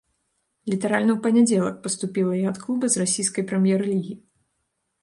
Літаральна ў панядзелак паступіла і ад клуба з расійскай прэм'ер-лігі.